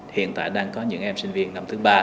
hiện tại đang có những em sinh viên năm thứ ba